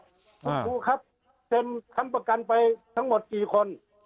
คุณครูครับเซ็นค้ำประกันไปทั้งหมดกี่คน